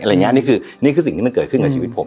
อะไรอย่างเงี้ยนี่คือนี่คือสิ่งที่มันเกิดขึ้นกับชีวิตผม